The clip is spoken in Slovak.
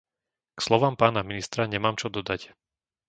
K slovám pána ministra nemám čo dodať.